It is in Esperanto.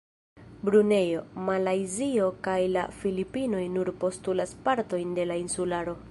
Brunejo, Malajzio kaj la Filipinoj nur postulas partojn de la insularo.